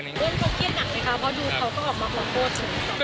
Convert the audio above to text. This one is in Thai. เพราะว่าดูเขาก็ออกมาขอโทษ